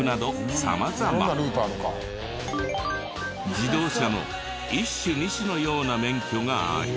自動車の一種二種のような免許があり。